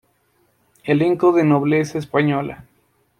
Elenco de nobleza española.